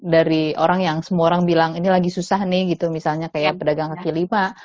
dari orang yang semua orang bilang ini lagi susah nih gitu misalnya kayak pedagang kaki lima